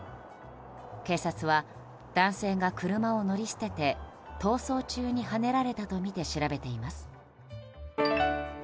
警察は、男性が車を乗り捨てて逃走中にはねられたとみて調べています。